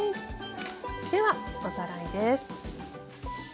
ではおさらいです。